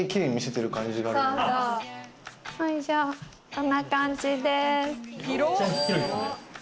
こんな感じです。